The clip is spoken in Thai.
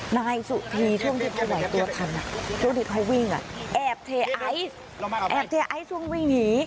นายสุธีช่วงที่พาไหวตัวทำช่วงที่ค่อยวิ่งแอบเทไอซ์ช่วงวิ่งหนี